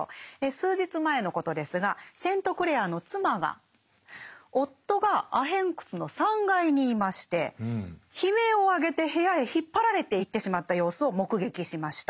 数日前のことですがセントクレアの妻が夫がアヘン窟の３階にいまして悲鳴を上げて部屋へ引っ張られていってしまった様子を目撃しました。